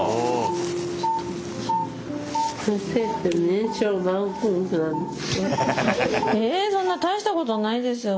えそんな大したことないですよ